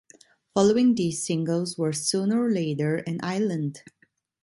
Following these singles were "Sooner or Later" and "Island".